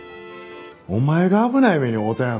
お前が危ない目に遭うたんやぞ。